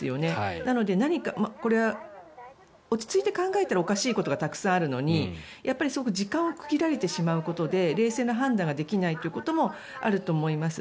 なのでこれは落ち着いて考えたらおかしいことがたくさんあるのに時間を区切られてしまうことで冷静な判断ができないということもあると思います。